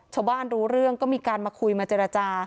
ชาวบ้านรู้เรื่องก็มีการมาคุยมาเจรจา